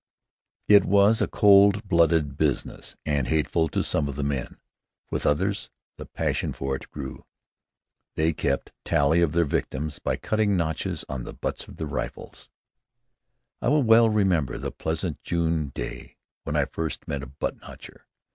It was a cold blooded business, and hateful to some of the men. With others, the passion for it grew. They kept tally of their victims by cutting notches on the butts of their rifles. I well remember the pleasant June day when I first met a "butt notcher."